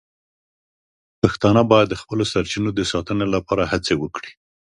پښتانه باید د خپلو سرچینو د ساتنې لپاره هڅې وکړي.